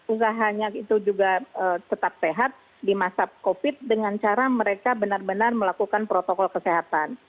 usahanya itu juga tetap sehat di masa covid dengan cara mereka benar benar melakukan protokol kesehatan